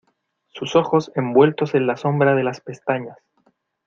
sus ojos, envueltos en la sombra de las pestañas